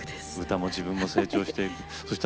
歌も自分も成長して。